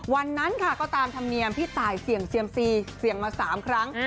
วันนั้นค่ะก็ตามธรรมเนียมพี่ตายเสี่ยงเซียมซีเสี่ยงมา๓ครั้ง